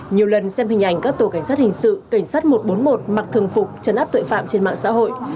nhiều lần xem hình ảnh các tổ cảnh sát hình sự cảnh sát một trăm bốn mươi một mặc thường phục trấn áp tội phạm trên mạng xã hội